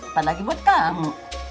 apa lagi buat kamu